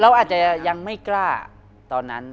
เราอาจจะยังไม่กล้าตอนนั้น